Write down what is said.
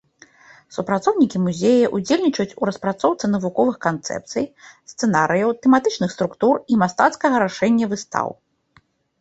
Супрацоўнікі музея ўдзельнічаюць у распрацоўцы навуковых канцэпцый, сцэнарыяў, тэматычных структур і мастацкага рашэння выстаў.